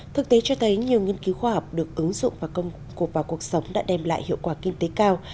thực tế cho thấy nhiều nghiên cứu khoa học được ứng dụng và công cuộc vào cuộc sống đã đem lại hiệu quả kinh tế cao